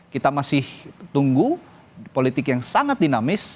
kita masih tunggu politik yang sangat dinamis